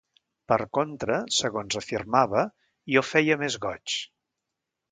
Per contra, segons afirmava, jo feia més goig.